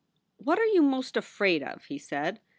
"What are you most afraid of?" he said.